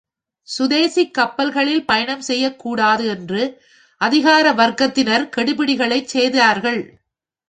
சுதேசிக் கப்பல்களில் பயணம் செய்யக் கூடாது என்று அதிகார வர்க்கத்தினர் கெடுபிடிகளைச் செய்தார்கள்.